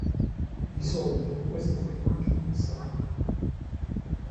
Di solito questo formaggio non è salato.